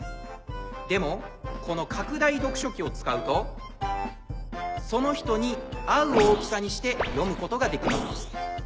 でもこの拡大読書器を使うとその人に合う大きさにして読むことができます。